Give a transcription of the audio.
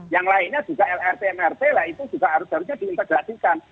yang lainnya juga lrt mrt lah itu juga harus harusnya diintegrasikan